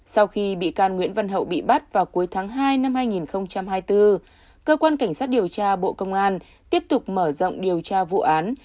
sau khi bị can nguyễn văn hậu bị bắt vào cuối tháng hai năm hai nghìn hai mươi bốn cơ quan cảnh sát điều tra bộ công an tiếp tục mở rộng điều tra vụ án